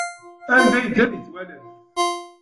Anda yedda ad yettwalas.